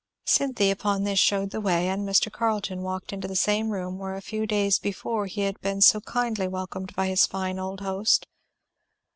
Cynthy upon this shewed the way, and Mr. Carleton walked into the same room where a very few days before he had been so kindly welcomed by his fine old host.